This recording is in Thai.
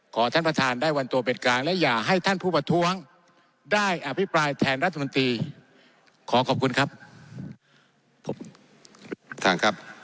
ขอท่านประธานได้วันตัวเป็นกลางและอย่าให้ท่านผู้ประท้วงได้อภิปรายแทนรัฐมนตรีขอขอบคุณครับผมท่านครับ